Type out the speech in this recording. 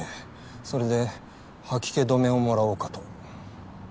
それで吐き気止めをもらおうかと。